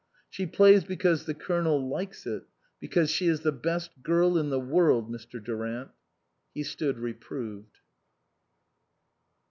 " She plays because the Colonel likes it be cause she is the best girl in the world, Mr. Durant." He stood reproved.